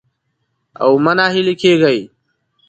او مه ناهيلي کېږئ